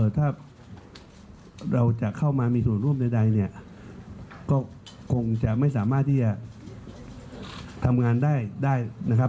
ถ้าเราจะเข้ามามีส่วนร่วมใดเนี่ยก็คงจะไม่สามารถที่จะทำงานได้นะครับ